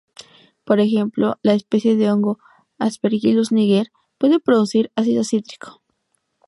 Por ejemplo la especie de hongo "Aspergillus niger" puede producir ácido cítrico.